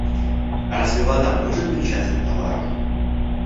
Разве вода может быть частным товаром?